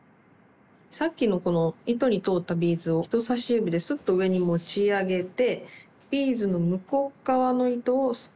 さっきのこの糸に通ったビーズを人さし指でスッと上に持ち上げてビーズの向こう側の糸をすくう。